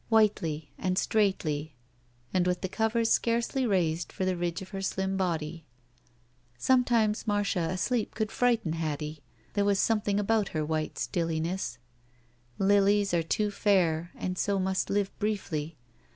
Whitely and straightly and with the covers scarcely raised for the ridge of her slim body. Sometimes Marcia asleep could frighten Hattie. There was something about her white stilliness. 174 THE SMUDGE Lilies are too fair and so must live briefly.